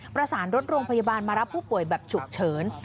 ประสานรถโรงพยาบาลมารับผู้ป่วยแบบฉุกเฉิน